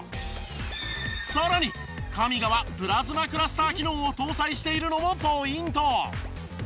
さらにＫＡＭＩＧＡはプラズマクラスター機能を搭載しているのもポイント。